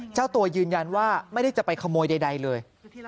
เจ้าตัวยืนยันว่าไม่ได้จะไปขโมยใดเลย